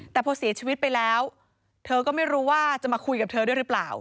แต่พอเสียชีวิตไปแล้วเธอก็ไม่รู้ว่าจะมาคุยกับเธอด้วยหรือเปล่า